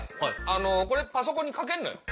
あのこれパソコンにかけんのよ。